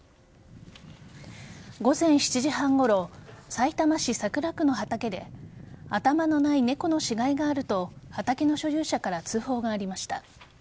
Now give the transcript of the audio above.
午前７時半ごろさいたま市桜区の畑で頭のない猫の死骸があると畑の所有者から通報がありました。